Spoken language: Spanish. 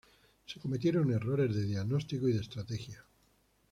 Se cometieron errores de diagnóstico y de estrategia.